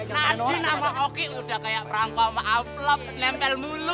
nanti nama oki udah kayak prangkom aplop nempel mulu